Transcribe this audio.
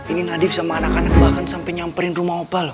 ini nadif sama anak anak bahkan sampai nyamperin rumah opal